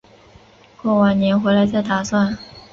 过完年回来再打算